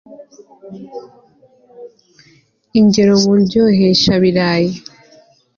ingero mu ndyoaheshabirayi